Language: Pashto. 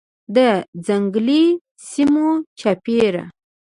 د ځنګلي سیمو چاپیر